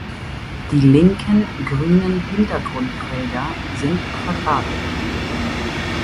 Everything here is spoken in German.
Die linken grünen „Hintergrund“-Felder sind quadratisch.